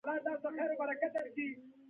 که ایران ناارامه شي سیمه ناارامه کیږي.